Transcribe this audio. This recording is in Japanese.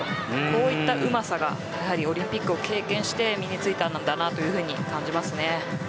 こういったうまさがオリンピックを経験して身についたと思います。